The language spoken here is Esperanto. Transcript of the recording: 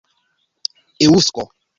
eŭsko